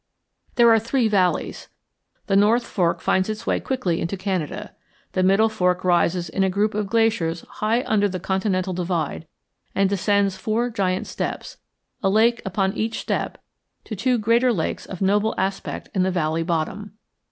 There are three valleys. The North Fork finds its way quickly into Canada. The Middle Fork rises in a group of glaciers high under the continental divide and descends four giant steps, a lake upon each step, to two greater lakes of noble aspect in the valley bottom.